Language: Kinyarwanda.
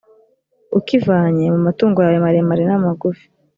ukivanye mu matungo yawe maremare n’amagufi,